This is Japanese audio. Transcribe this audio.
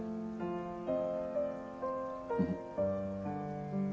うん。